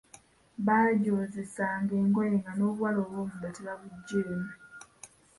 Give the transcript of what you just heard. Banjozesanga engoye nga n'obuwale obwomunda tebabuggyeemu.